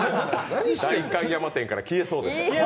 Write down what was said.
代官山店から消えそうです。